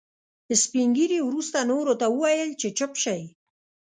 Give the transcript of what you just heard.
سپين ږيري وروسته نورو ته وويل چې چوپ شئ.